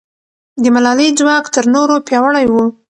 د ملالۍ ځواک تر نورو پیاوړی و.